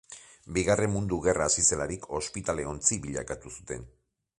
Bigarren Mundu Gerra hasi zelarik, ospitale-ontzi bilakatu zuten.